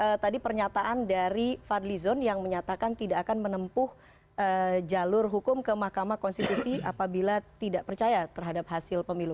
itu tadi pernyataan dari fadli zon yang menyatakan tidak akan menempuh jalur hukum ke mahkamah konstitusi apabila tidak percaya terhadap hasil pemilu